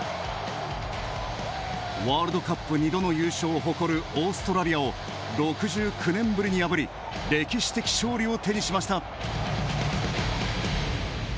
ワールドカップ２度の優勝を誇るオーストラリアを６９年ぶりに破り歴史的勝利を手にしました。